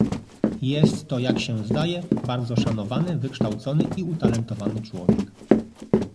"Jest to, jak się zdaje, bardzo szanowany, wykształcony i utalentowany człowiek."